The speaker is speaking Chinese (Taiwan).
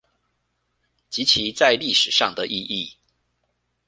及其在歷史上的意義